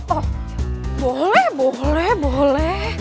oh boleh boleh boleh